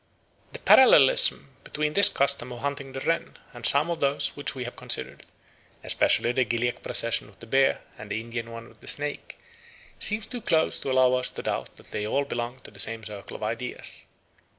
The parallelism between this custom of "hunting the wren" and some of those which we have considered, especially the Gilyak procession with the bear, and the Indian one with the snake, seems too close to allow us to doubt that they all belong to the same circle of ideas.